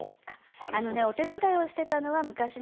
あのねお手伝いをしてたのは昔なんですね。